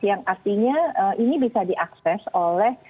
yang artinya ini bisa diakses oleh